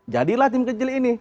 jadilah tim kecil ini